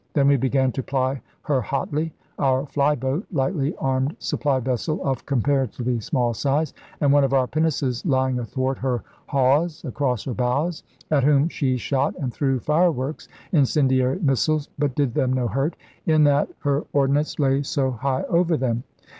Then we began to ply her hotly, our fly boat [lightly armed supply vessel of comparatively small size] and one of our pinnaces lying athwart her hawse [across her bows] at whom she shot and threw fire works [incendiary missiles] but did them no hurt, in that her ordnance lay so high over them.